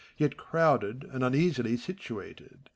Yet crowded and uneasily situated.